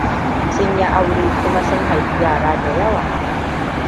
Sun yi aure kuma sun haifi yara da yawa.